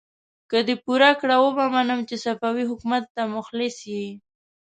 که دې پوره کړ، وبه منم چې صفوي حکومت ته مخلص يې!